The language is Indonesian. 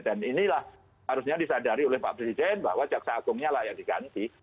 dan inilah harusnya disadari oleh pak presiden bahwa kejaksaan agungnya layak diganti